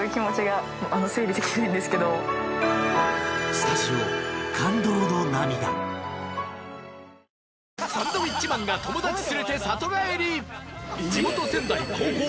スタジオサンドウィッチマンが友達連れて里帰り